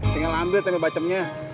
tinggal ambil tempe bacemnya